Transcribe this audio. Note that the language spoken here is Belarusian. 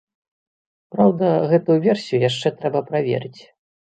Праўда, гэтую версію яшчэ трэба праверыць.